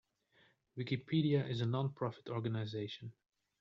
Wikipedia is a non-profit organization.